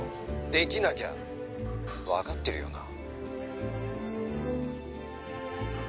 できなきゃ分かってるよな？